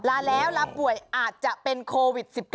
ลาแล้วลาป่วยอาจจะเป็นโควิด๑๙